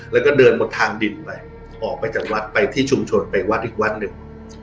แล้วก็เดินบนทางดินไปออกไปจากวัดไปที่ชุมชนไปวัดอีกวัดหนึ่ง